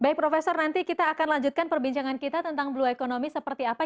baik profesor nanti kita akan lanjutkan perbincangan kita tentang blue economy seperti apa